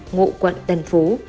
ngụ quận tân phú